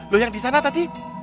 loh yang di sana tadi